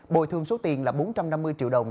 bồi thường số tiền là bốn trăm năm mươi triệu đồng